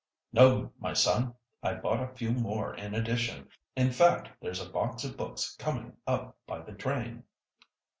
"No, my son! I bought a few more in addition. In fact, there's a box of books coming up by the train."